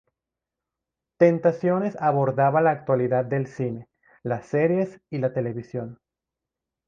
Tentaciones abordaba la actualidad del cine, las series y la televisión.